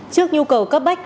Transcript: trước nhu cầu cấp bách